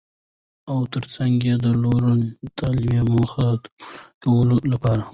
او تر څنګ يې د لوړو تعليمي موخو د پوره کولو لپاره.